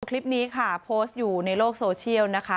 คลิปนี้ค่ะโพสต์อยู่ในโลกโซเชียลนะคะ